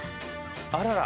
あらら！